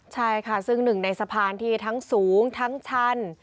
ใช่ค่ะซึ่งหนึ่งในสะพานที่ทั้งสูงทั้งชัน